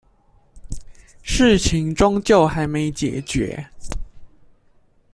事情終究還沒解決